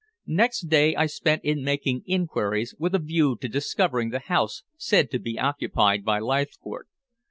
Next day I spent in making inquiries with a view to discovering the house said to be occupied by Leithcourt.